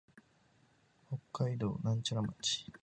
北海道和寒町